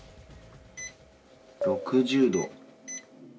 ６０度。